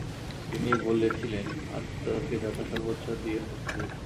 তিনি বলেছিলেন, “আজ তোকে যথাসর্বস্ব দিয়ে ফকির হয়েছি।